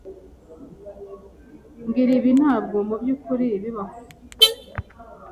Mbwira ibi ntabwo mubyukuri bibaho.